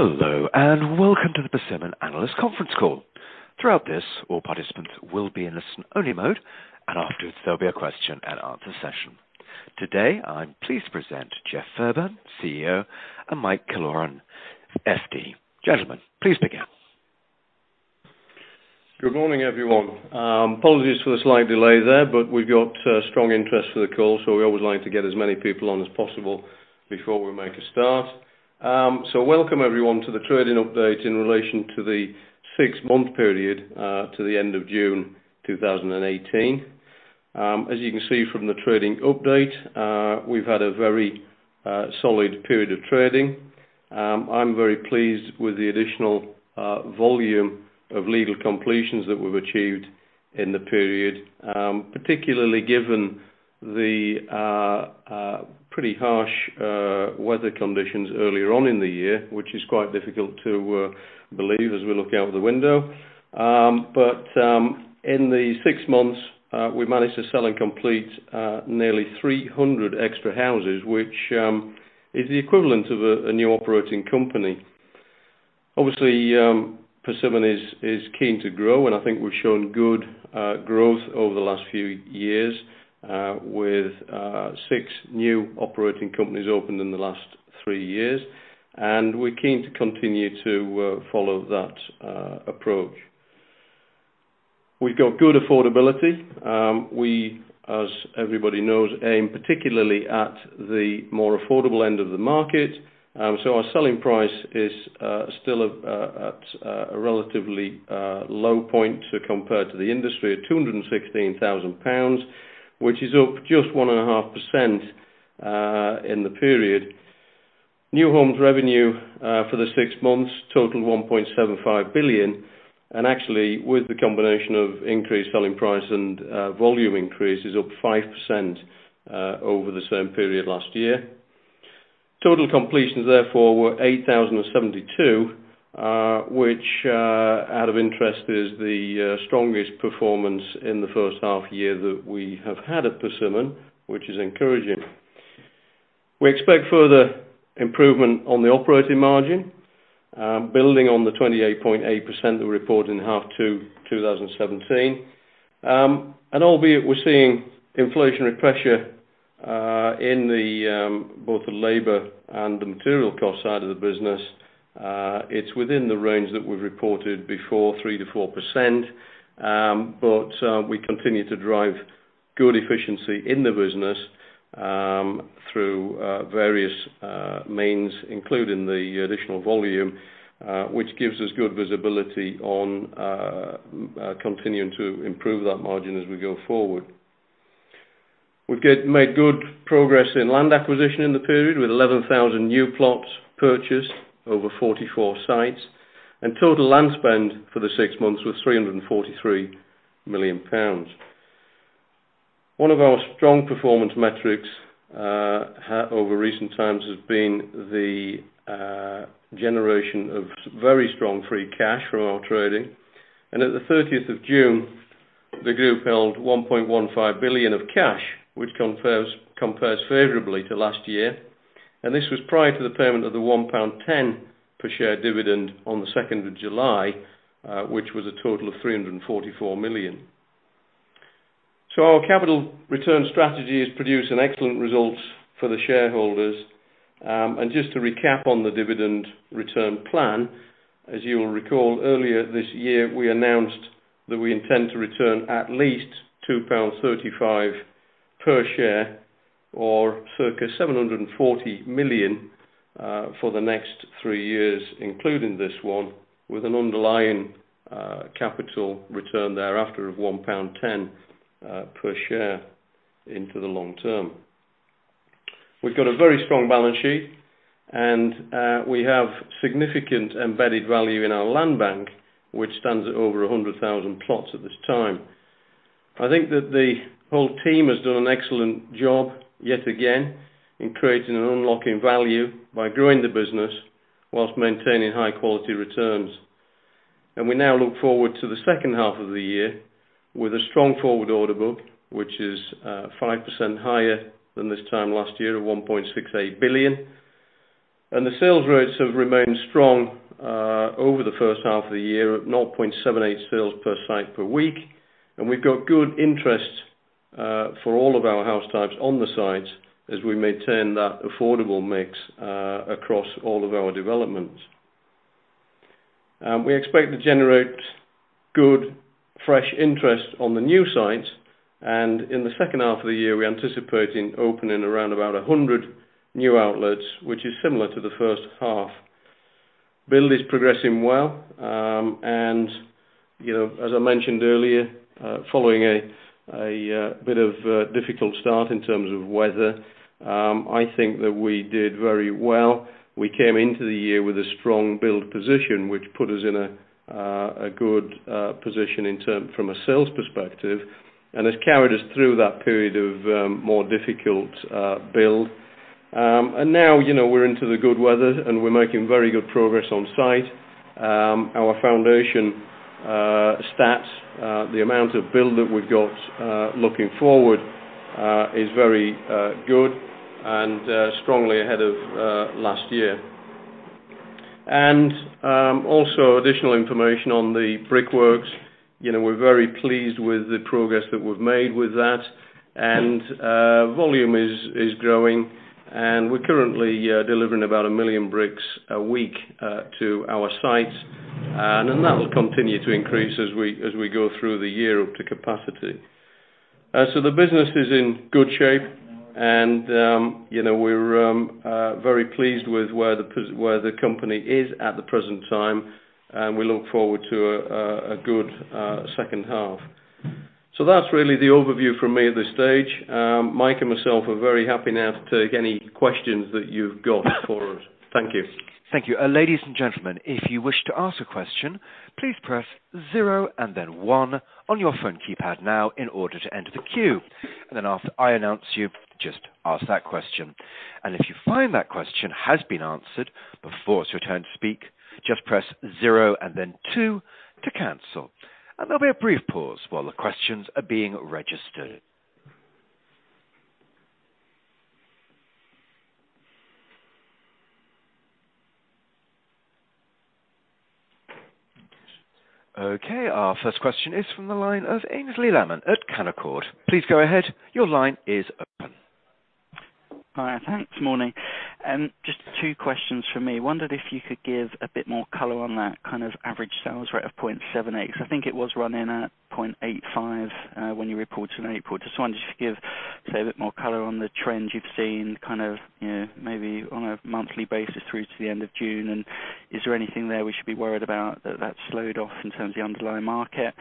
Hello, welcome to the Persimmon Analyst Conference Call. Throughout this, all participants will be in listen only mode, afterwards, there will be a question and answer session. Today, I am pleased to present Jeff Fairburn, CEO, and Mike Killoran, FD. Gentlemen, please begin. Good morning, everyone. Apologies for the slight delay there, we have got strong interest for the call, we always like to get as many people on as possible before we make a start. Welcome, everyone, to the trading update in relation to the six-month period to the end of June 2018. As you can see from the trading update, we have had a very solid period of trading. I am very pleased with the additional volume of legal completions that we have achieved in the period. Particularly given the pretty harsh weather conditions earlier on in the year, which is quite difficult to believe as we look out the window. In the six months, we managed to sell and complete nearly 300 extra houses, which is the equivalent of a new operating company. Obviously, Persimmon is keen to grow, I think we have shown good growth over the last few years, with six new operating companies opened in the last three years, we are keen to continue to follow that approach. We have got good affordability. We, as everybody knows, aim particularly at the more affordable end of the market. Our selling price is still at a relatively low point to compare to the industry at 216,000 pounds, which is up just 1.5% in the period. New homes revenue for the six months totaled 1.75 billion, actually with the combination of increased selling price and volume increase, is up 5% over the same period last year. Total completions therefore were 8,072, which out of interest is the strongest performance in the first half-year that we have had at Persimmon, which is encouraging. We expect further improvement on the operating margin, building on the 28.8% that we reported in half 2 2017. Albeit we are seeing inflationary pressure in both the labor and the material cost side of the business, it is within the range that we have reported before, 3%-4%. We continue to drive good efficiency in the business through various means, including the additional volume, which gives us good visibility on continuing to improve that margin as we go forward. We made good progress in land acquisition in the period with 11,000 new plots purchased over 44 sites, total land spend for the six months was 343 million pounds. One of our strong performance metrics over recent times has been the generation of very strong free cash from our trading. At the 30th of June, the group held 1.15 billion of cash, which compares favorably to last year. This was prior to the payment of the 1.10 pound per share dividend on the 2nd of July, which was a total of 344 million. Our capital return strategy has produced an excellent result for the shareholders. Just to recap on the dividend return plan, as you will recall earlier this year, we announced that we intend to return at least 2.35 pounds per share or circa 740 million for the next three years, including this one, with an underlying capital return thereafter of 1.10 pound per share into the long term. We've got a very strong balance sheet, and we have significant embedded value in our land bank, which stands at over 100,000 plots at this time. I think that the whole team has done an excellent job yet again in creating and unlocking value by growing the business while maintaining high quality returns. We now look forward to the second half of the year with a strong forward order book, which is 5% higher than this time last year at 1.68 billion. The sales rates have remained strong over the first half of the year at 0.78 sales per site per week. We've got good interest for all of our house types on the sites as we maintain that affordable mix across all of our developments. We expect to generate good, fresh interest on the new sites, and in the second half of the year, we're anticipating opening around about 100 new outlets, which is similar to the first half. Build is progressing well, and as I mentioned earlier, following a bit of a difficult start in terms of weather, I think that we did very well. We came into the year with a strong build position, which put us in a good position from a sales perspective and has carried us through that period of more difficult build. Now we're into the good weather, and we're making very good progress on site. Our foundation stats, the amount of build that we've got looking forward is very good and strongly ahead of last year. Also additional information on the brickworks. We're very pleased with the progress that we've made with that. Volume is growing, and we're currently delivering about 1 million bricks a week to our sites. That will continue to increase as we go through the year up to capacity. The business is in good shape, and we're very pleased with where the company is at the present time, and we look forward to a good second half. That's really the overview from me at this stage. Mike and myself are very happy now to take any questions that you've got for us. Thank you. Thank you. Ladies and gentlemen, if you wish to ask a question, please press zero and then one on your phone keypad now in order to enter the queue. After I announce you, just ask that question. If you find that question has been answered before it is your turn to speak, just press zero and then two to cancel. There will be a brief pause while the questions are being registered. Our first question is from the line of Aynsley Lammin at Canaccord Genuity. Please go ahead. Your line is open. Hiya. Thanks, morning. Just two questions from me. I wondered if you could give a bit more color on that kind of average sales rate of 0.78, because I think it was running at 0.85 when you reported in April. I just wondered if you could give, say, a bit more color on the trends you have seen, kind of maybe on a monthly basis through to the end of June, and is there anything there we should be worried about that that has slowed off in terms of the underlying market?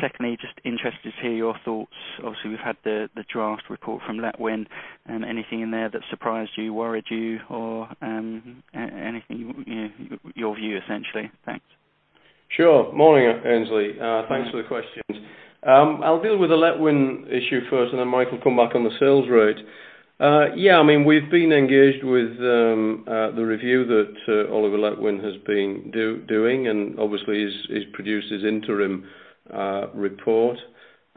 Secondly, just interested to hear your thoughts. Obviously, we have had the draft report from Letwin, and anything in there that surprised you, worried you, or anything, your view essentially. Thanks. Sure. Morning, Aynsley. Thanks for the questions. I will deal with the Letwin issue first, and then Mike will come back on the sales rate. We have been engaged with the review that Oliver Letwin has been doing, and obviously he has produced his interim report.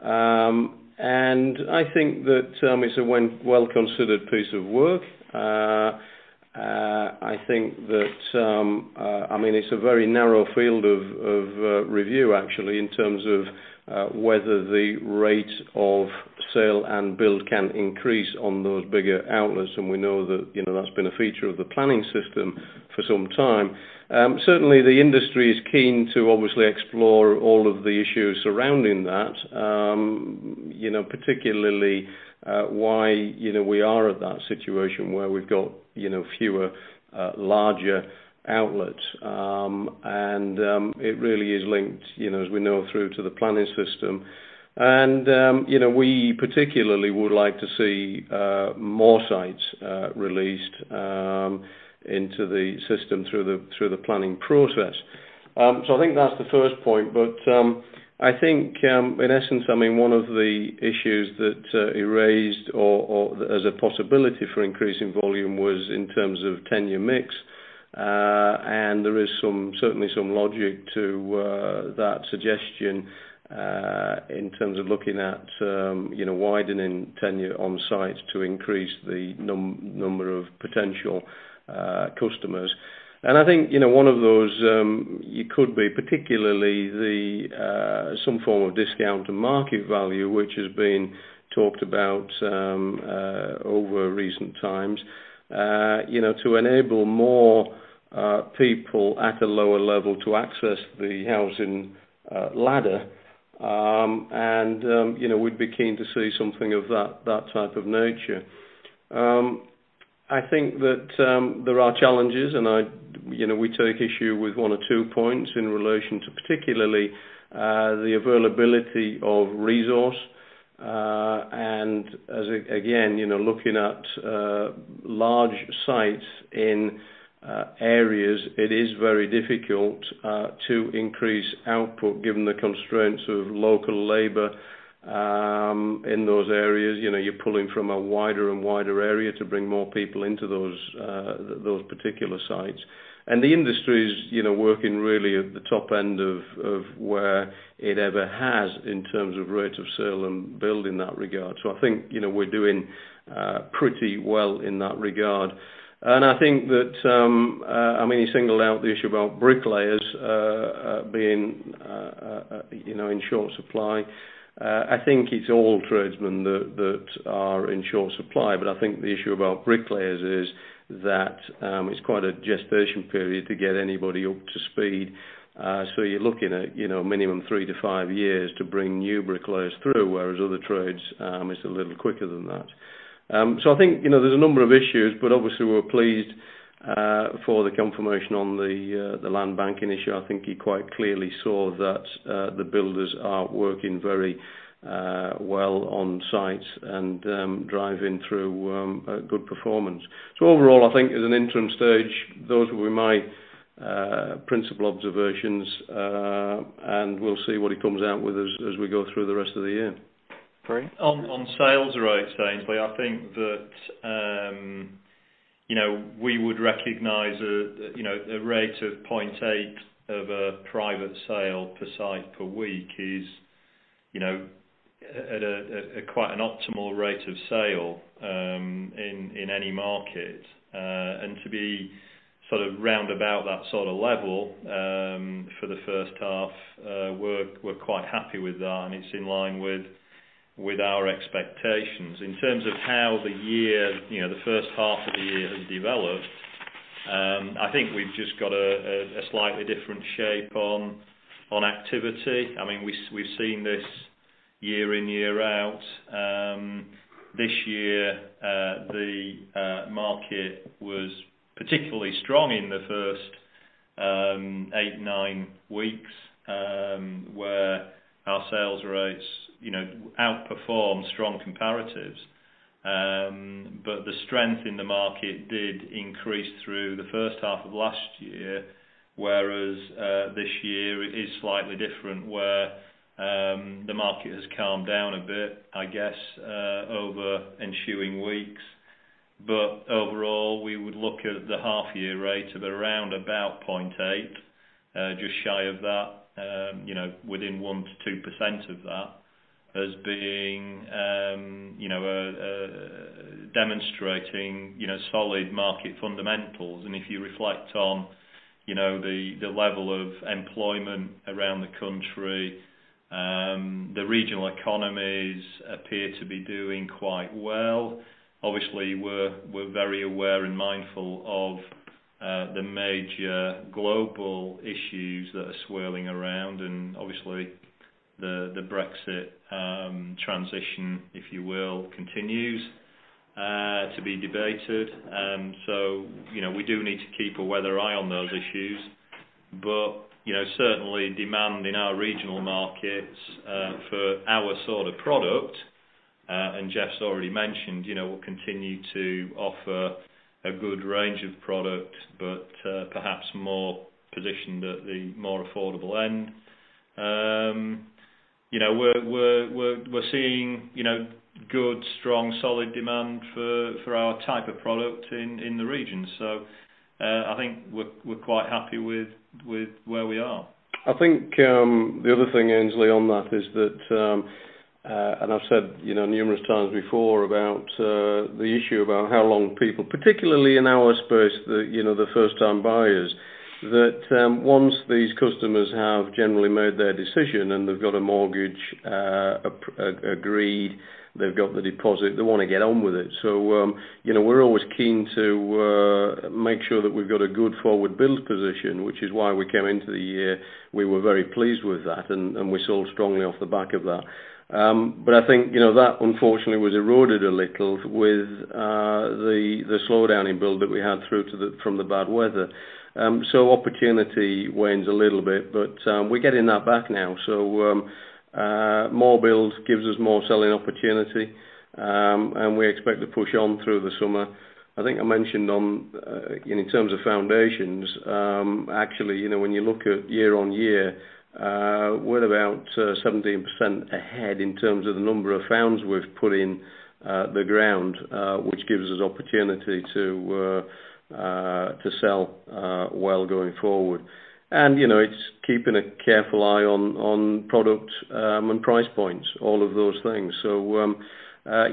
I think that it is a well-considered piece of work. I think that it is a very narrow field of review, actually, in terms of whether the rate of sale and build can increase on those bigger outlets, and we know that that has been a feature of the planning system for some time. Certainly, the industry is keen to obviously explore all of the issues surrounding that. Particularly why we are at that situation where we have got fewer larger outlets. It really is linked, as we know, through to the planning system. We particularly would like to see more sites released into the system through the planning process. I think that is the first point, but I think in essence, one of the issues that he raised or as a possibility for increasing volume was in terms of tenure mix. There is certainly some logic to that suggestion in terms of looking at widening tenure on sites to increase the number of potential customers. I think one of those could be particularly some form of discount to market value, which has been talked about over recent times, to enable more people at a lower level to access the housing ladder. We would be keen to see something of that type of nature. I think that there are challenges, and we take issue with one or two points in relation to particularly the availability of resource. As, again, looking at large sites in areas, it is very difficult to increase output given the constraints of local labor in those areas. You're pulling from a wider and wider area to bring more people into those particular sites. The industry is working really at the top end of where it ever has in terms of rate of sale and build in that regard. I think we're doing pretty well in that regard. I think that he singled out the issue about bricklayers being in short supply. I think it's all tradesmen that are in short supply. I think the issue about bricklayers is that it's quite a gestation period to get anybody up to speed. You're looking at minimum three to five years to bring new bricklayers through, whereas other trades, it's a little quicker than that. I think there's a number of issues, but obviously we're pleased for the confirmation on the land bank issue. I think he quite clearly saw that the builders are working very well on sites and driving through good performance. Overall, I think as an interim stage, those would be my principal observations. We'll see what he comes out with as we go through the rest of the year. Great. On sales rate, Aynsley, I think that we would recognize a rate of 0.8 of a private sale per site per week is at quite an optimal rate of sale in any market. To be round about that sort of level for the first half, we're quite happy with that, and it's in line with our expectations. In terms of how the first half of the year has developed, I think we've just got a slightly different shape on activity. We've seen this year in, year out. This year, the market was particularly strong in the first eight, nine weeks, where our sales rates outperformed strong comparatives. The strength in the market did increase through the first half of last year, whereas this year it is slightly different, where the market has calmed down a bit, I guess, over ensuing weeks. Overall, we would look at the half year rate of around about 0.8, just shy of that, within 1%-2% of that, as demonstrating solid market fundamentals. If you reflect on the level of employment around the country, the regional economies appear to be doing quite well. Obviously, we're very aware and mindful of the major global issues that are swirling around, and obviously the Brexit transition, if you will, continues to be debated. We do need to keep a weather eye on those issues. Certainly demand in our regional markets for our sort of product, and Jeff's already mentioned, we'll continue to offer a good range of product, but perhaps more positioned at the more affordable end. We're seeing good, strong, solid demand for our type of product in the region. I think we're quite happqy with where we are. The other thing, Aynsley, on that is that, I've said numerous times before about the issue about how long people, particularly in our space, the first-time buyers, that once these customers have generally made their decision and they've got a mortgage agreed, they've got the deposit, they want to get on with it. We're always keen to make sure that we've got a good forward build position, which is why we came into the year. We were very pleased with that, and we sold strongly off the back of that. I think that unfortunately was eroded a little with the slowdown in build that we had through from the bad weather. Opportunity wanes a little bit, but we're getting that back now. More build gives us more selling opportunity, and we expect to push on through the summer. I think I mentioned in terms of foundations, actually, when you look at year-over-year, we're about 17% ahead in terms of the number of founds we've put in the ground, which gives us opportunity to sell well going forward. It's keeping a careful eye on product and price points, all of those things.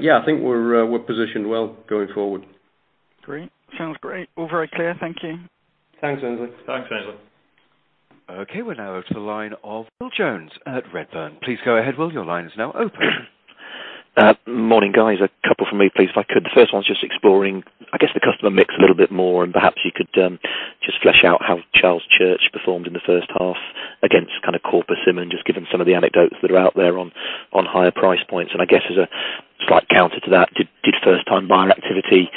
Yeah, I think we're positioned well going forward. Great. Sounds great. All very clear. Thank you. Thanks, Aynsley. Thanks, Aynsley. Okay, we're now to the line of Will Jones at Redburn. Please go ahead, Will. Your line is now open. Morning, guys. A couple from me, please, if I could. The first one's just exploring, I guess, the customer mix a little bit more, and perhaps you could just flesh out how Charles Church performed in the first half against Persimmon, just given some of the anecdotes that are out there on higher price points. I guess as a slight counter to that, did first time buyer activity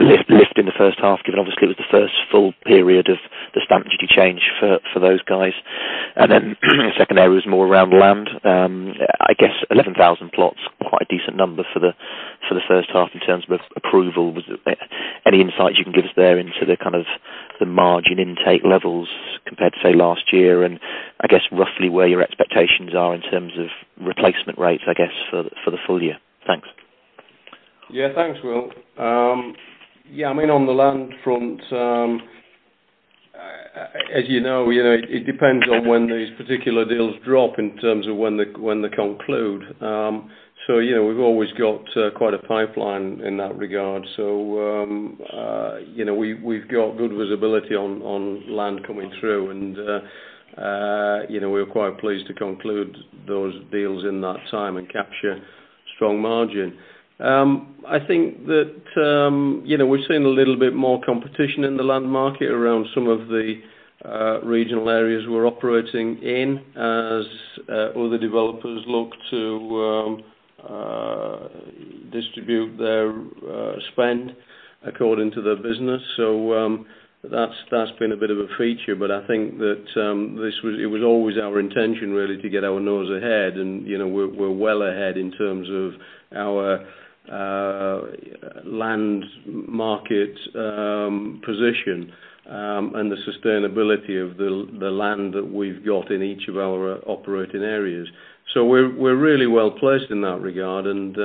lift in the first half, given obviously it was the first full period of the Stamp Duty change for those guys? Then the second area is more around land. I guess 11,000 plots is quite a decent number for the first half in terms of approval. Any insights you can give us there into the kind of the margin intake levels compared to, say, last year? I guess, roughly where your expectations are in terms of replacement rates, I guess, for the full year. Thanks. Yeah. Thanks, Will. On the land front, as you know, it depends on when these particular deals drop in terms of when they conclude. We've always got quite a pipeline in that regard. We've got good visibility on land coming through, and we were quite pleased to conclude those deals in that time and capture strong margin. I think that we're seeing a little bit more competition in the land market around some of the regional areas we're operating in as other developers look to distribute their spend according to their business. That's been a bit of a feature, but I think that it was always our intention, really, to get our nose ahead, and we're well ahead in terms of our land market position and the sustainability of the land that we've got in each of our operating areas. We're really well-placed in that regard, and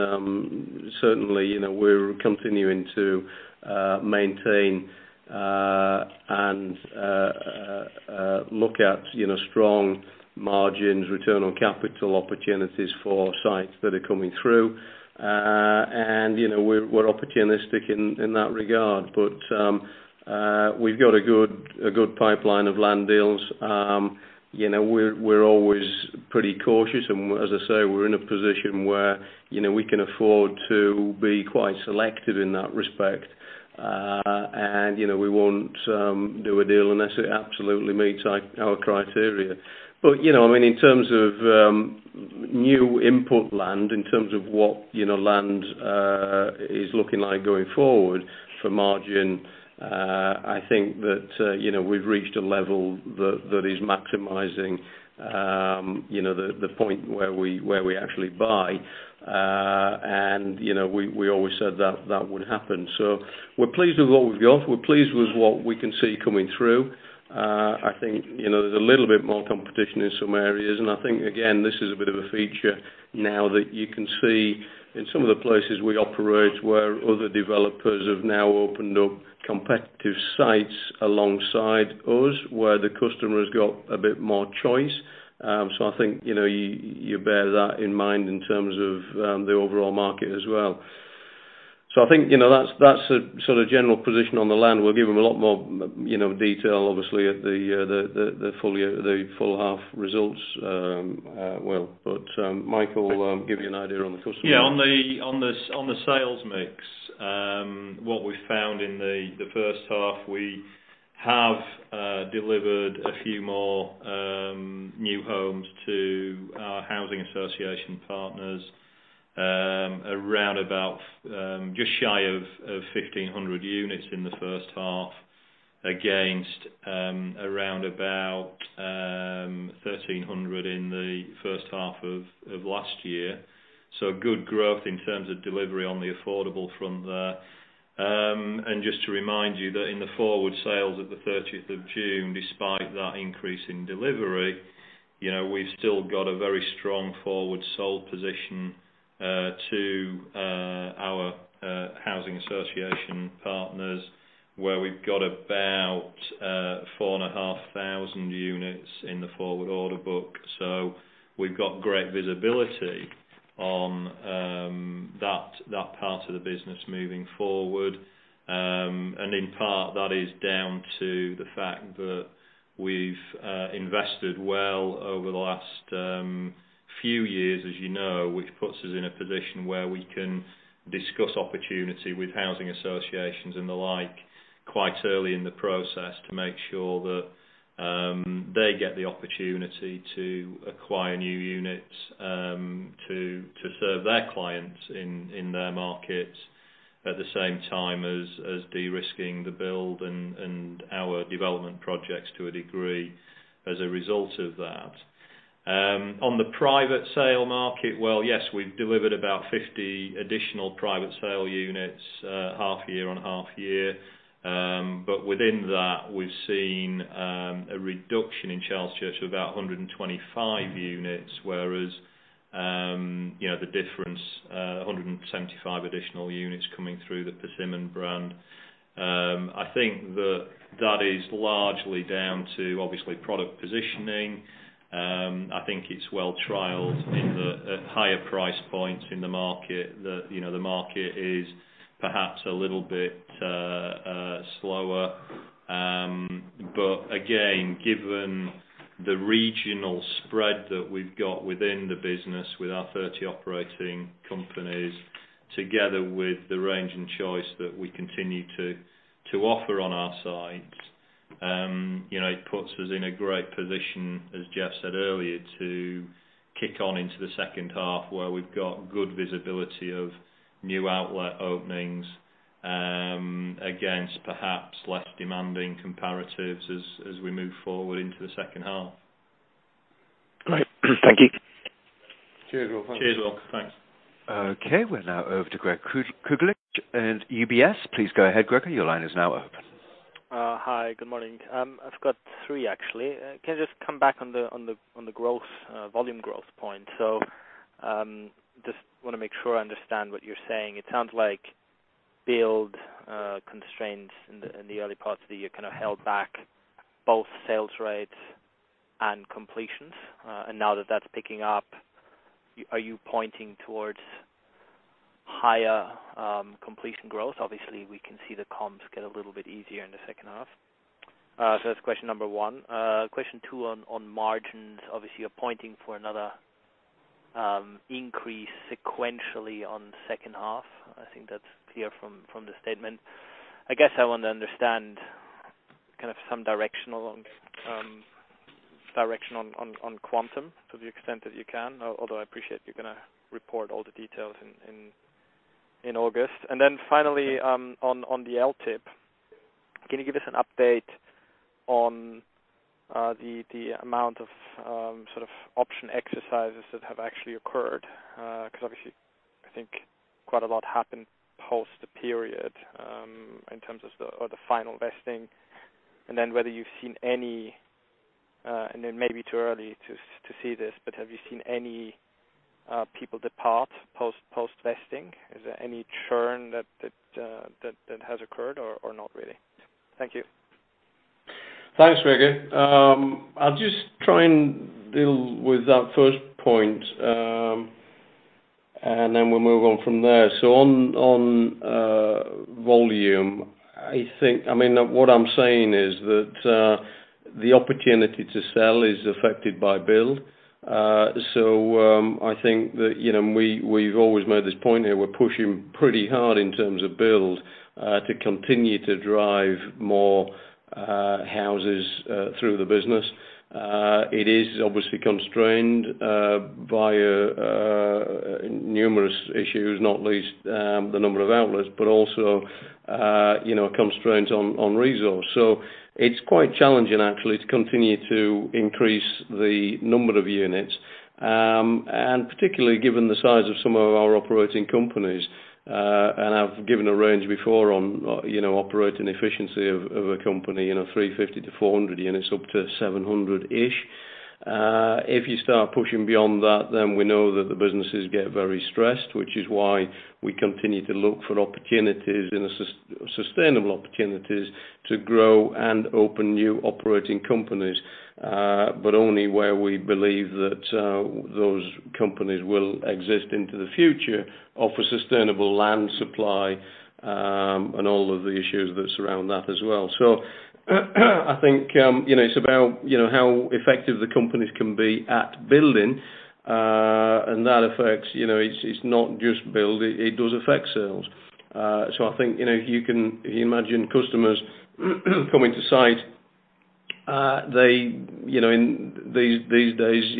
certainly we're continuing to maintain and look at strong margins, return on capital opportunities for sites that are coming through. We're opportunistic in that regard. We've got a good pipeline of land deals. We're always pretty cautious and, as I say, we're in a position where we can afford to be quite selective in that respect. We won't do a deal unless it absolutely meets our criteria. In terms of new input land, in terms of what land is looking like going forward for margin, I think that we've reached a level that is maximizing the point where we actually buy. We always said that would happen. We're pleased with what we've got. We're pleased with what we can see coming through. I think there's a little bit more competition in some areas, and I think, again, this is a bit of a feature now that you can see in some of the places we operate where other developers have now opened up competitive sites alongside us, where the customer has got a bit more choice. I think, you bear that in mind in terms of the overall market as well. I think that's a sort of general position on the land. We'll give them a lot more detail, obviously at the full half results. Mike will give you an idea on the customer. Yeah, on the sales mix, what we found in the first half, we have delivered a few more new homes to our housing association partners, around about just shy of 1,500 units in the first half against around about 1,300 in the first half of last year. Good growth in terms of delivery on the affordable front there. Just to remind you that in the forward sales at the 30th of June, despite that increase in delivery, we've still got a very strong forward sold position to our housing association partners, where we've got about 4,500 units in the forward order book. We've got great visibility on that part of the business moving forward. In part, that is down to the fact that we've invested well over the last few years, as you know, which puts us in a position where we can discuss opportunity with housing associations and the like quite early in the process to make sure that they get the opportunity to acquire new units to serve their clients in their markets, at the same time as de-risking the build and our development projects to a degree as a result of that. On the private sale market, well, yes, we've delivered about 50 additional private sale units half year on half year. Within that, we've seen a reduction in Charles Church of about 125 units, whereas the difference, 175 additional units coming through the Persimmon brand. I think that that is largely down to, obviously, product positioning. I think it's well trialed in the higher price points in the market that the market is perhaps a little bit slower. Again, given the regional spread that we've got within the business with our 30 operating companies, together with the range and choice that we continue to offer on our sites, it puts us in a great position, as Jeff said earlier, to kick on into the second half, where we've got good visibility of new outlet openings against perhaps less demanding comparatives as we move forward into the second half. Great. Thank you. Cheers, Will. Thanks. Cheers, Will. Thanks. Okay, we're now over to Gregor Kuglitsch and UBS. Please go ahead, Gregor. Your line is now open. Hi. Good morning. I've got three, actually. Can I just come back on the volume growth point? Just want to make sure I understand what you're saying. It sounds like build constraints in the early part of the year kind of held back both sales rates and completions. Now that that's picking up, are you pointing towards higher completion growth? Obviously, we can see the comps get a little bit easier in the second half. That's question number one. Question two on margins. Obviously, you're pointing for another increase sequentially on second half. I think that's clear from the statement. I guess I want to understand kind of some direction on quantum to the extent that you can, although I appreciate you're going to report all the details in August. Finally, on the LTIP, can you give us an update- On the amount of sort of option exercises that have actually occurred. Obviously, I think quite a lot happened post the period in terms of the final vesting, whether you've seen It may be too early to see this, but have you seen any people depart post vesting? Is there any churn that has occurred or not really? Thank you. Thanks, Gregor. I'll just try and deal with that first point, and then we'll move on from there. On volume, what I'm saying is that the opportunity to sell is affected by build. I think that we've always made this point here. We're pushing pretty hard in terms of build to continue to drive more houses through the business. It is obviously constrained by numerous issues, not least the number of outlets, but also constraints on resource. It's quite challenging actually, to continue to increase the number of units, and particularly given the size of some of our operating companies. I've given a range before on operating efficiency of a company, 350 to 400 units up to 700-ish. If you start pushing beyond that, we know that the businesses get very stressed, which is why we continue to look for sustainable opportunities to grow and open new operating companies. Only where we believe that those companies will exist into the future, offer sustainable land supply, and all of the issues that surround that as well. I think it's about how effective the companies can be at building, and that affects, it's not just build, it does affect sales. I think if you can imagine customers coming to site, these days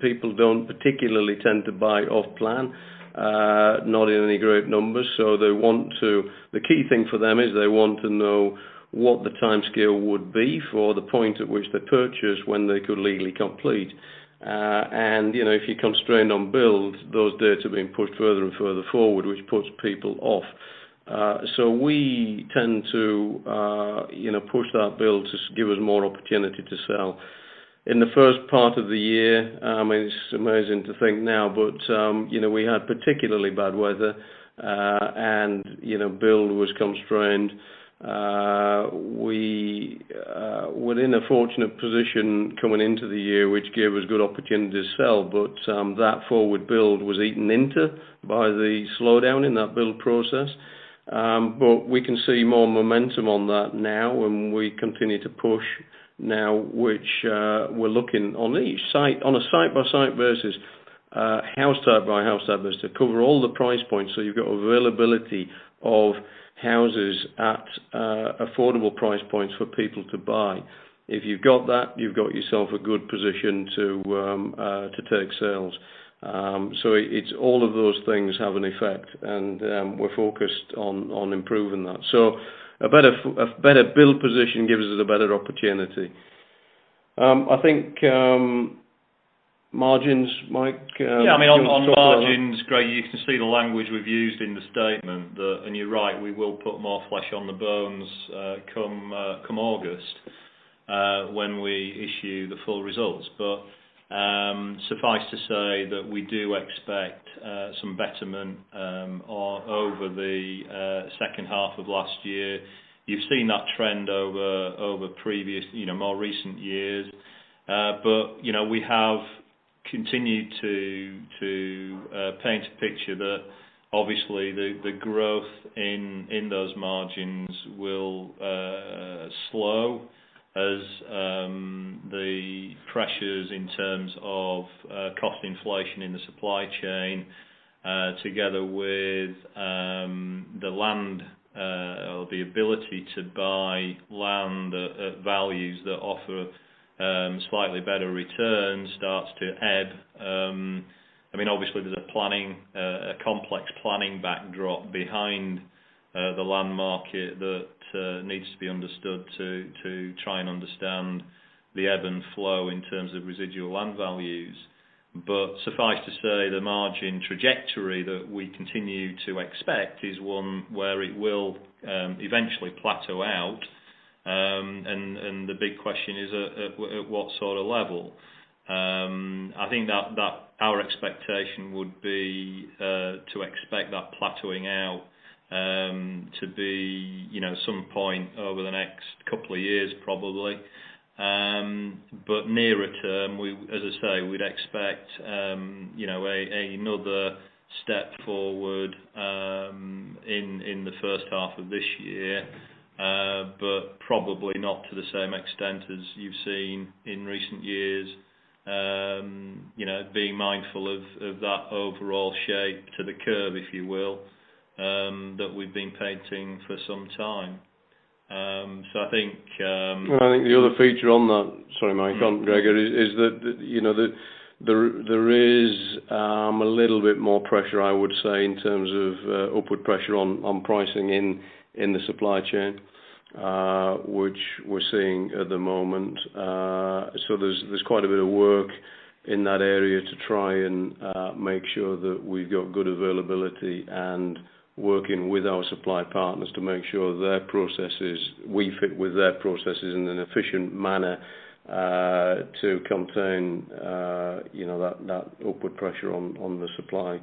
people don't particularly tend to buy off-plan, not in any great numbers. The key thing for them is they want to know what the timescale would be for the point at which they purchase, when they could legally complete. If you constrain on build, those dates are being pushed further and further forward, which puts people off. We tend to push that build to give us more opportunity to sell. In the first part of the year, it's amazing to think now, we had particularly bad weather, and build was constrained. We were in a fortunate position coming into the year, which gave us good opportunity to sell, that forward build was eaten into by the slowdown in that build process. We can see more momentum on that now, and we continue to push now, which we're looking on each site, on a site-by-site versus house type by house type, to cover all the price points, so you've got availability of houses at affordable price points for people to buy. If you've got that, you've got yourself a good position to take sales. All of those things have an effect, and we're focused on improving that. A better build position gives us a better opportunity. I think margins, Mike, do you want to talk about that? On margins, great. You can see the language we've used in the statement that, and you're right, we will put more flesh on the bones come August, when we issue the full results. Suffice to say that we do expect some betterment over the second half of last year. You've seen that trend over more recent years. We have continued to paint a picture that obviously the growth in those margins will slow as the pressures in terms of cost inflation in the supply chain, together with the land, or the ability to buy land at values that offer slightly better returns, starts to ebb. Obviously there's a complex planning backdrop behind the land market that needs to be understood to try and understand the ebb and flow in terms of residual land values. Suffice to say, the margin trajectory that we continue to expect is one where it will eventually plateau out. The big question is, at what sort of level? I think that our expectation would be to expect that plateauing out to be some point over the next couple of years, probably. Nearer term, as I say, we'd expect another step forward in the first half of this year. Probably not to the same extent as you've seen in recent years. Being mindful of that overall shape to the curve, if you will, that we've been painting for some time. I think the other feature on that, sorry Mike, on Gregor, is that there is a little bit more pressure, I would say, in terms of upward pressure on pricing in the supply chain, which we're seeing at the moment. There's quite a bit of work in that area to try and make sure that we've got good availability and working with our supply partners to make sure we fit with their processes in an efficient manner to contain that upward pressure on the supply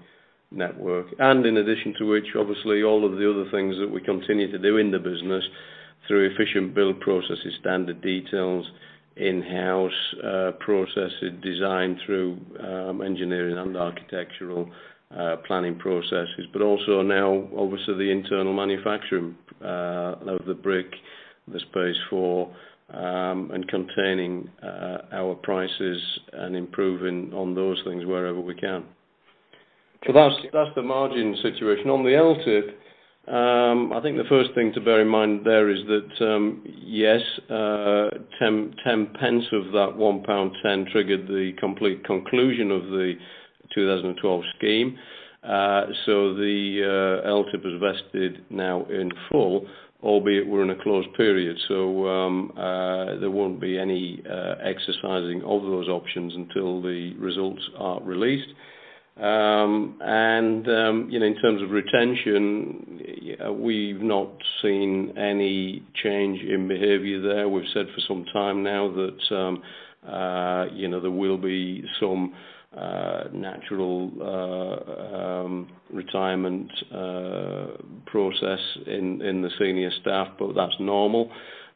network. In addition to which, obviously, all of the other things that we continue to do in the business through efficient build processes, standard details, in-house processes, design through engineering and architectural planning processes. Also now, obviously, the internal manufacturing out of the brick, Space4, and containing our prices and improving on those things wherever we can. That's the margin situation. On the LTIP, I think the first thing to bear in mind there is that, yes, 0.10 of that 1.10 pound triggered the complete conclusion of the 2012 scheme. The LTIP is vested now in full, albeit we're in a closed period. There won't be any exercising of those options until the results are released. In terms of retention, we've not seen any change in behavior there. We've said for some time now that there will be some natural retirement process in the senior staff, that's normal.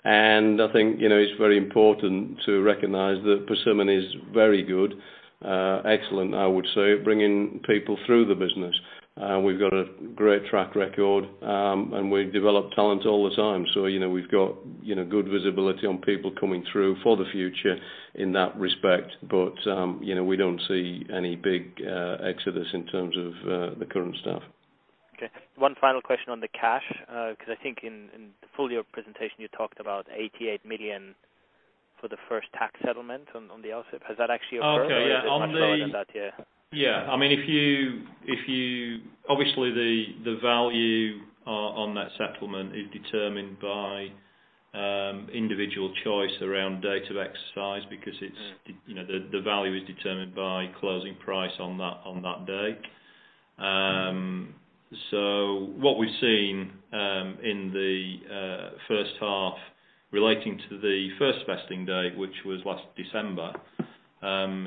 I think it's very important to recognize that Persimmon is very good. Excellent, I would say, bringing people through the business. We've got a great track record, and we develop talent all the time. We've got good visibility on people coming through for the future in that respect. We don't see any big exodus in terms of the current staff. Okay. One final question on the cash, because I think in the full year presentation, you talked about 88 million for the first tax settlement on the LTIP. Has that actually occurred? Okay. Is it much more than that? Yeah. Yeah. Obviously, the value on that settlement is determined by individual choice around date of exercise because the value is determined by closing price on that day. What we've seen in the first half relating to the first vesting date, which was last December,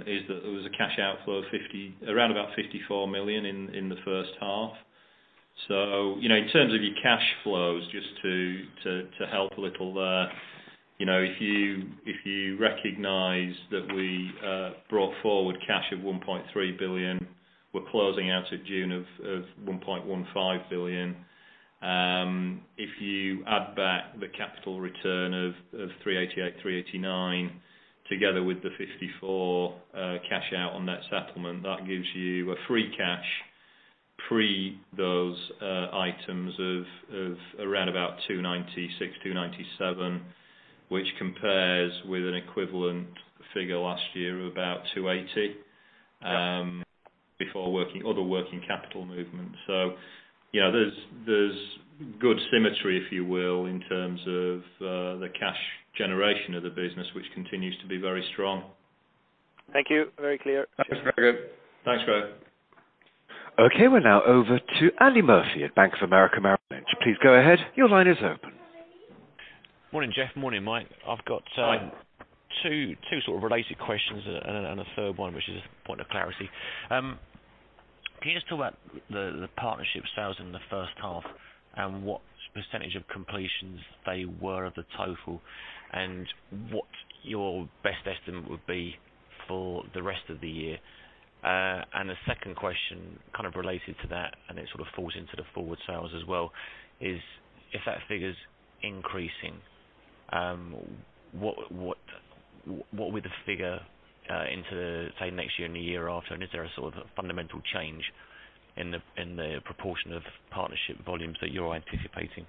is that there was a cash outflow around about 54 million in the first half. In terms of your cash flows, just to help a little there. If you recognize that we brought forward cash of 1.3 billion, we're closing out at June of 1.15 billion. If you add back the capital return of 388, 389, together with the 54 cash out on that settlement, that gives you a free cash pre those items of around about 296, 297, which compares with an equivalent figure last year of about 280 before other working capital movement. There's good symmetry, if you will, in terms of the cash generation of the business, which continues to be very strong. Thank you. Very clear. Thanks, Greg. We're now over to Andy Murphy at Bank of America Merrill Lynch. Please go ahead. Your line is open. Morning, Jeff. Morning, Mike. Hi two sort of related questions and a third one, which is a point of clarity. Can you just talk about the partnership sales in the first half and what % of completions they were of the total, and what your best estimate would be for the rest of the year? The second question kind of related to that, and it sort of falls into the forward sales as well, is if that figure is increasing, what would the figure into, say, next year and the year after, and is there a sort of fundamental change in the proportion of partnership volumes that you are anticipating?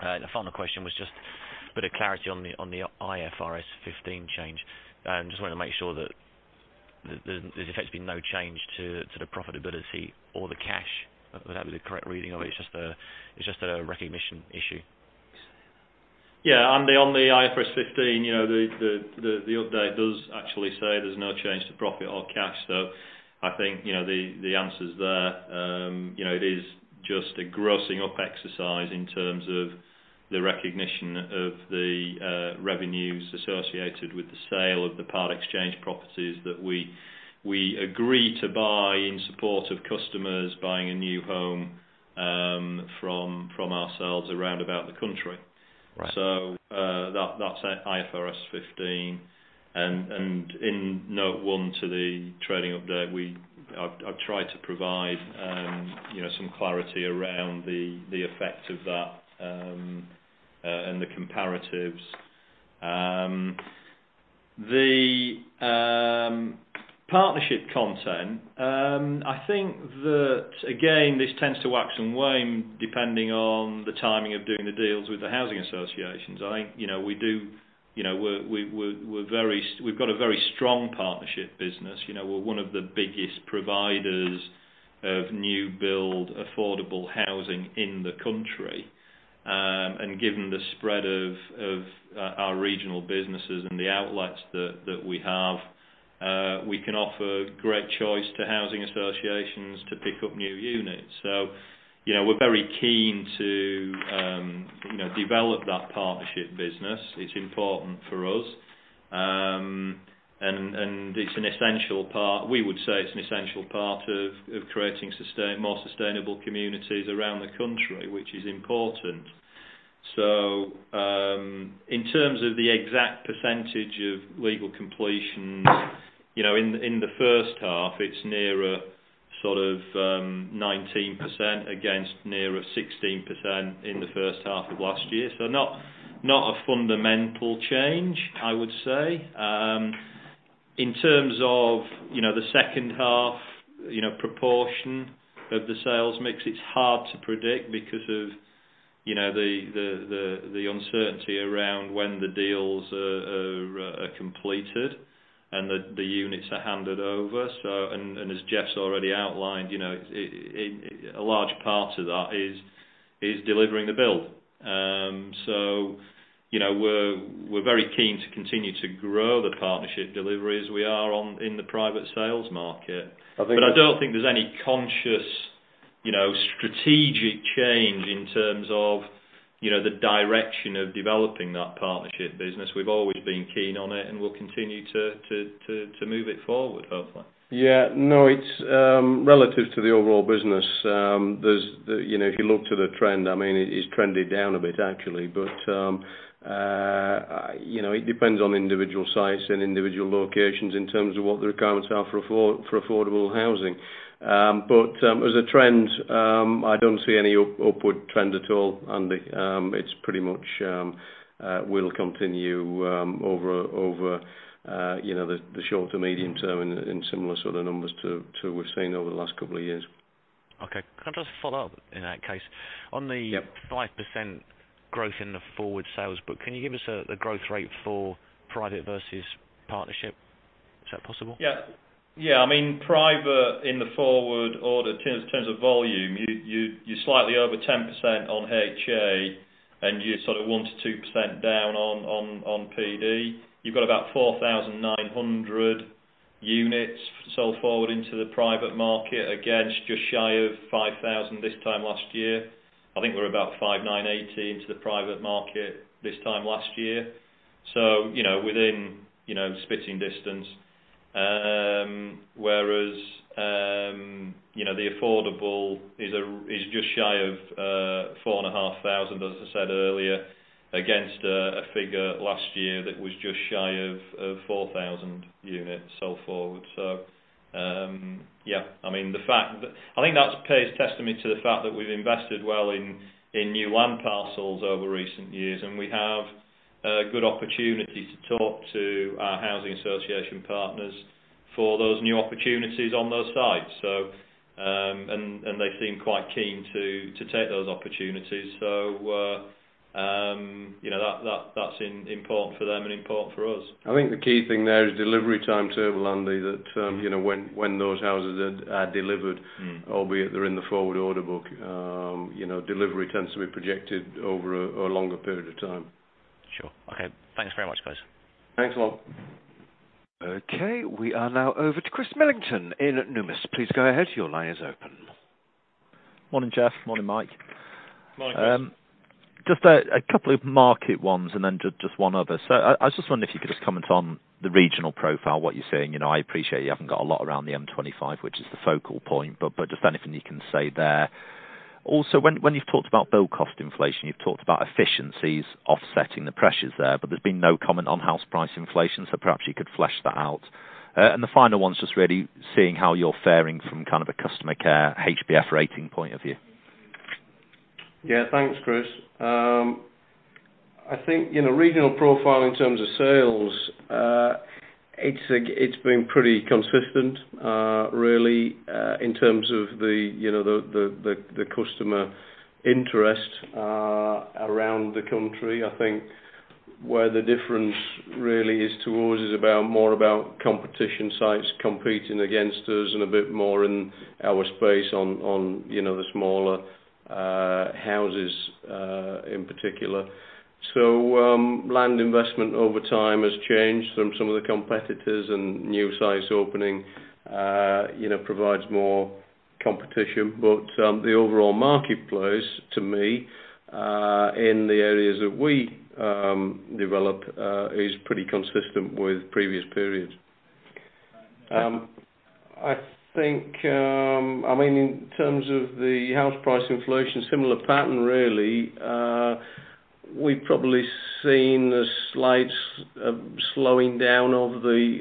The final question was just a bit of clarity on the IFRS 15 change. Just wanted to make sure that there is effectively no change to the profitability or the cash. Would that be the correct reading of it? It is just a recognition issue. Yeah. On the IFRS 15, the update does actually say there is no change to profit or cash. I think, the answer is there. It is just a grossing up exercise in terms of the recognition of the revenues associated with the sale of the part exchange properties that we agree to buy in support of customers buying a new home from ourselves around about the country. Right. That is IFRS 15. In note one to the trading update, I have tried to provide some clarity around the effect of that, and the comparatives. The partnership content, I think that, again, this tends to wax and wane depending on the timing of doing the deals with the housing associations. I think, we do We've got a very strong partnership business. We're one of the biggest providers of new build affordable housing in the country. Given the spread of our regional businesses and the outlets that we have, we can offer great choice to housing associations to pick up new units. We're very keen to develop that partnership business. It's important for us. We would say it's an essential part of creating more sustainable communities around the country, which is important. In terms of the exact percentage of legal completions, in the first half, it's nearer 19% against nearer 16% in the first half of last year. Not a fundamental change, I would say. In terms of the second half proportion of the sales mix, it's hard to predict because of the uncertainty around when the deals are completed and the units are handed over. As Jeff's already outlined, a large part of that is delivering the build. We're very keen to continue to grow the partnership deliveries we are in the private sales market. I think- I don't think there's any conscious, strategic change in terms of the direction of developing that partnership business. We've always been keen on it, and we'll continue to move it forward, hopefully. Yeah. No, it's relative to the overall business. If you look to the trend, it is trended down a bit actually, but it depends on individual sites and individual locations in terms of what the requirements are for affordable housing. But as a trend, I don't see any upward trend at all, Andy. It pretty much will continue over the shorter medium term in similar sort of numbers to we've seen over the last couple of years. Okay. Can I just follow up, in that case? Yep. On the 5% growth in the forward order book, can you give us the growth rate for private versus partnership? Is that possible? Yeah. Private in the forward order, in terms of volume, you're slightly over 10% on HA and you're sort of 1%-2% down on PD. You've got about 4,900 units sold forward into the private market, against just shy of 5,000 this time last year. I think we were about 5,980 into the private market this time last year. Within spitting distance. Whereas, the affordable is just shy of 4,500, as I said earlier, against a figure last year that was just shy of 4,000 units sold forward. Yeah. I think that pays testament to the fact that we've invested well in new land parcels over recent years, and we have a good opportunity to talk to our housing association partners for those new opportunities on those sites. They seem quite keen to take those opportunities. That's important for them and important for us. I think the key thing there is delivery timetable, Andy, that when those houses are delivered, albeit they are in the forward order book. Delivery tends to be projected over a longer period of time. Sure. Okay. Thanks very much, guys. Thanks a lot. Okay, we are now over to Chris Millington in Numis. Please go ahead. Your line is open. Morning, Jeff. Morning, Mike. Morning, Chris. I just wondered if you could just comment on the regional profile, what you're seeing. I appreciate you haven't got a lot around the M25, which is the focal point, but just anything you can say there. Also, when you've talked about build cost inflation, you've talked about efficiencies offsetting the pressures there, but there's been no comment on house price inflation, so perhaps you could flesh that out. The final one is just really seeing how you're fairing from kind of a customer care HBF rating point of view. Thanks, Chris. I think regional profile in terms of sales, it's been pretty consistent, really, in terms of the customer interest around the country. I think where the difference really is to us is more about competition sites competing against us and a bit more in our space on the smaller houses, in particular. Land investment over time has changed from some of the competitors and new sites opening provides more competition. The overall marketplace to me, in the areas that we develop, is pretty consistent with previous periods. In terms of the house price inflation, similar pattern really. We've probably seen a slight slowing down of the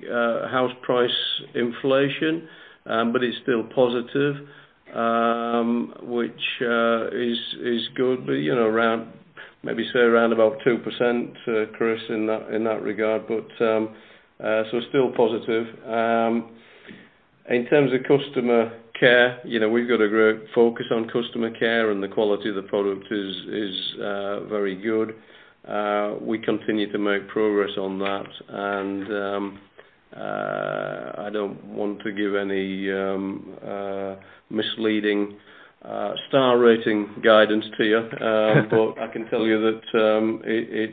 house price inflation, it's still positive, which is good. Around maybe say 2%, Chris, in that regard. Still positive. In terms of customer care, we've got a great focus on customer care, the quality of the product is very good. We continue to make progress on that, I don't want to give any misleading star rating guidance to you. I can tell you that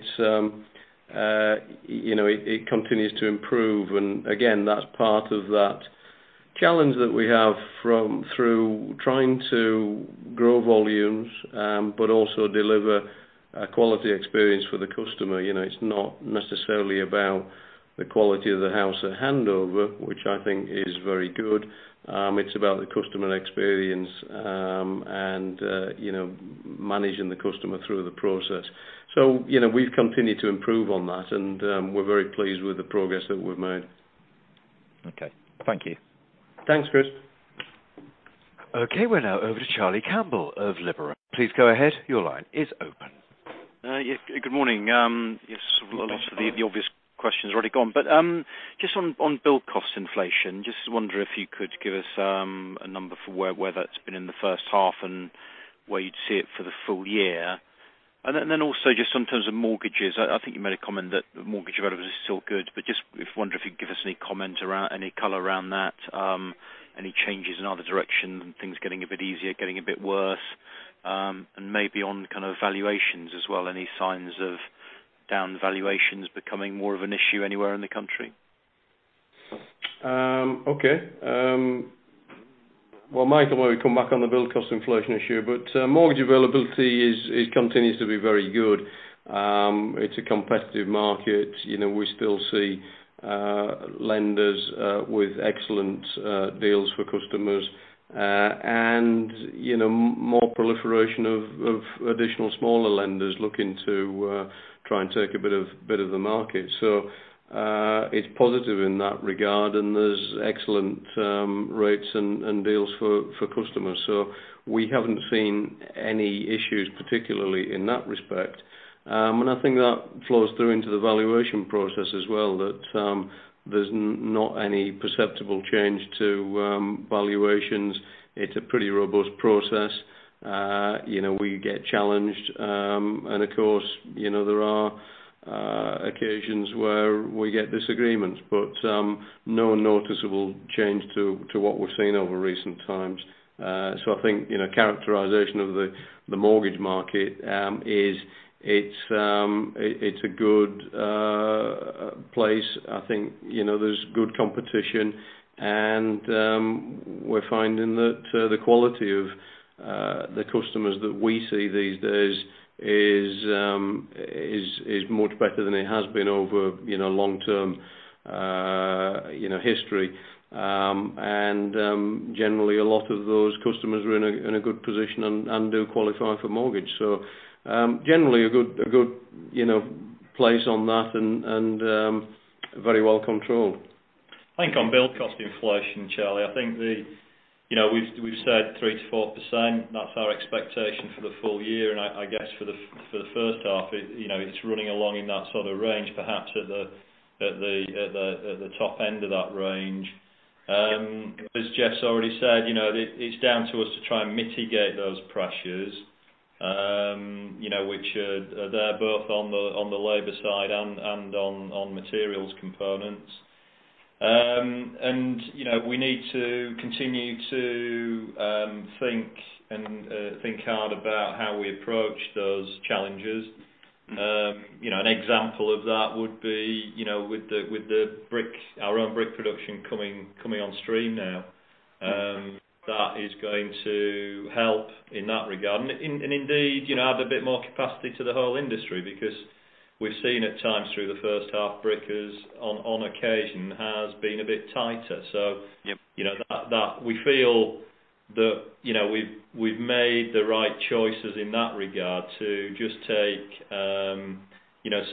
it continues to improve, again, that's part of that challenge that we have through trying to grow volumes, also deliver a quality experience for the customer. It's not necessarily about the quality of the house at handover, which I think is very good. It's about the customer experience, managing the customer through the process. We've continued to improve on that, we're very pleased with the progress that we've made. Okay. Thank you. Thanks, Chris. Okay, we're now over to Charlie Campbell of Liberum. Please go ahead. Your line is open. Yes. Good morning. Good morning, Charlie. Yes, a lot of the obvious questions already gone. Just on build cost inflation, just wonder if you could give us a number for where that's been in the first half and where you'd see it for the full year. Also just in terms of mortgages, I think you made a comment that mortgage availability is still good, but just wonder if you'd give us any comment around, any color around that. Any changes in either direction, things getting a bit easier, getting a bit worse. Maybe on kind of valuations as well, any signs of down valuations becoming more of an issue anywhere in the country? Okay. Well, Mike may come back on the build cost inflation issue. Mortgage availability continues to be very good. It's a competitive market. We still see lenders with excellent deals for customers, and more proliferation of additional smaller lenders looking to try and take a bit of the market. It's positive in that regard, and there's excellent rates and deals for customers. We haven't seen any issues particularly in that respect. I think that flows through into the valuation process as well, that there's not any perceptible change to valuations. It's a pretty robust process. We get challenged, and of course, there are occasions where we get disagreements, no noticeable change to what we've seen over recent times. I think, characterization of the mortgage market is it's a good place. I think there's good competition. We're finding that the quality of the customers that we see these days is much better than it has been over long-term history. Generally, a lot of those customers are in a good position and do qualify for mortgage. Generally a good place on that, and very well controlled. I think on build cost inflation, Charlie, I think we've said 3%-4%. That's our expectation for the full year. I guess for the first half it's running along in that sort of range, perhaps at the top end of that range. As Jeff's already said, it's down to us to try and mitigate those pressures, which are there both on the labor side and on materials components. We need to continue to think hard about how we approach those challenges. An example of that would be with our own brick production coming on stream now. That is going to help in that regard, and indeed add a bit more capacity to the whole industry, because we've seen at times through the first half, brick, on occasion, has been a bit tighter. Yep. We feel that we've made the right choices in that regard to just take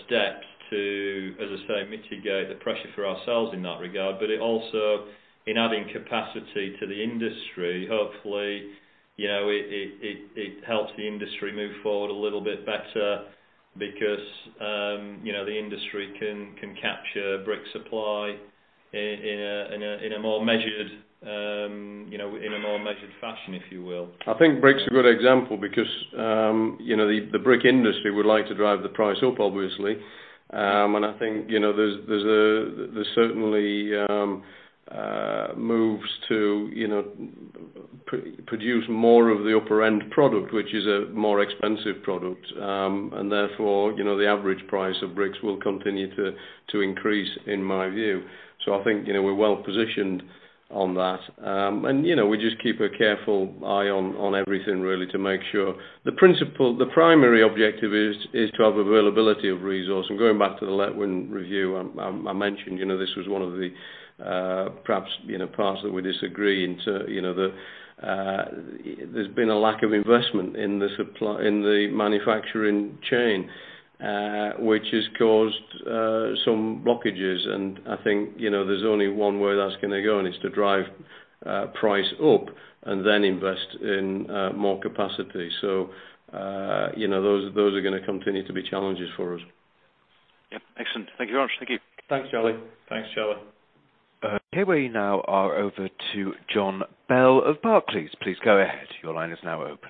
steps to, as I say, mitigate the pressure for ourselves in that regard. It also, in adding capacity to the industry, hopefully, it helps the industry move forward a little bit better because the industry can capture brick supply in a more measured fashion, if you will. I think brick's a good example because the brick industry would like to drive the price up, obviously. I think there's certainly moves to produce more of the upper-end product, which is a more expensive product. Therefore, the average price of bricks will continue to increase in my view. I think we're well positioned on that. We just keep a careful eye on everything really to make sure. The primary objective is to have availability of resource. Going back to the Letwin Review, I mentioned this was one of the perhaps parts that we disagree, there's been a lack of investment in the manufacturing chain, which has caused some blockages. I think there's only one way that's going to go, and it's to drive price up and then invest in more capacity. Those are going to continue to be challenges for us. Yep. Excellent. Thank you very much. Thank you. Thanks, Charlie. Okay. We now are over to Jon Bell of Barclays. Please go ahead. Your line is now open.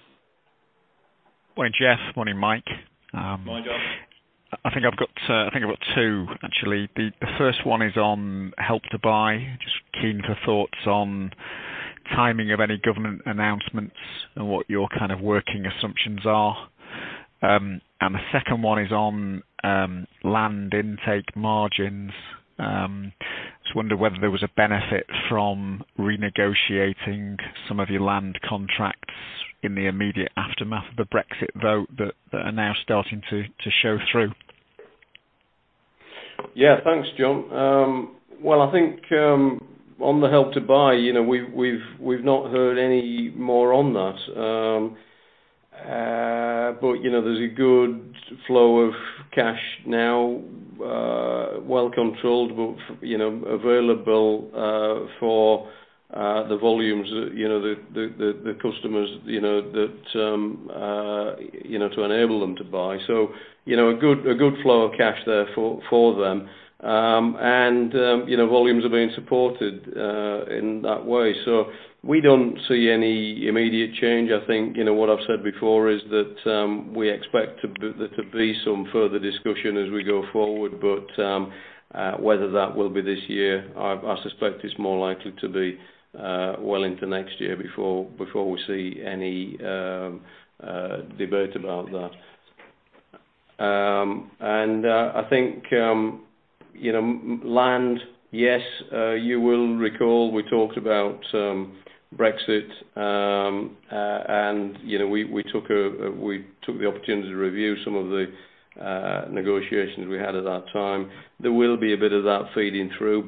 Morning, Jeff. Morning, Mike. Morning, Jon. I think I've got two, actually. The first one is on Help to Buy. Just keen for thoughts on timing of any government announcements and what your kind of working assumptions are. The second one is on land intake margins. Just wonder whether there was a benefit from renegotiating some of your land contracts in the immediate aftermath of the Brexit vote that are now starting to show through. Thanks, Jon. Well, I think, on the Help to Buy, we've not heard any more on that. There's a good flow of cash now, well controlled, but available for the volumes the customers, to enable them to buy. A good flow of cash there for them. Volumes are being supported in that way. We don't see any immediate change. I think, what I've said before is that we expect there to be some further discussion as we go forward. Whether that will be this year, I suspect it's more likely to be well into next year before we see any debate about that. I think, land, yes. You will recall we talked about Brexit. We took the opportunity to review some of the negotiations we had at that time. There will be a bit of that feeding through.